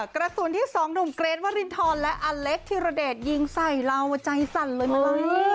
กระสุนที่สองหนุ่มเกรทวรินทรและอเล็กธิรเดชยิงใส่เราใจสั่นเลยมั้ง